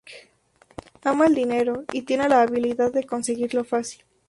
Ama el dinero y tiene la habilidad de conseguirlo fácil.